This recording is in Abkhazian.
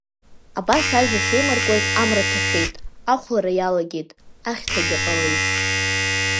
Абас ажәа шеимаркуаз амра ҭашәеит, ахәлара иалагеит, ахьҭагьы ҟалеит.